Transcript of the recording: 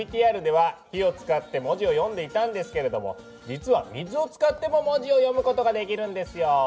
ＶＴＲでは火を使って文字を読んでいたんですけれども実は水を使っても文字を読むことができるんですよ。